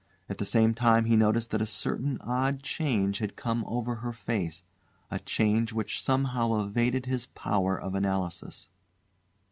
At the same time he noticed that a certain odd change had come over her face, a change which somehow evaded his power of analysis.